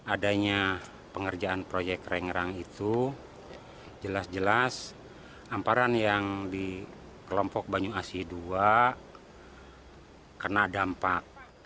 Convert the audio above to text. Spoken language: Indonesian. adanya pengerjaan proyek rengrang itu jelas jelas hamparan yang di kelompok banyu asih ii kena dampak